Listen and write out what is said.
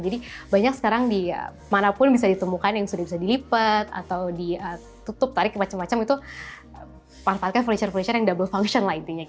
jadi banyak sekarang di mana pun bisa ditemukan yang sudah bisa dilipat atau ditutup tarik dan macam macam itu manfaatkan furniture furniture yang double function lah intinya